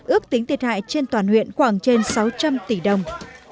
ước tính thiệt hại trên toàn huyện khoảng trên sáu trăm linh tỷ đồng